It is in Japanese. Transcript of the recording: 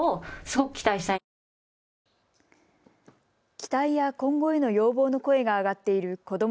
期待や今後への要望の声が上がっているこども